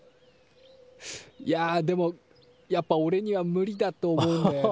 いやでもやっぱおれには無理だと思うんだよね。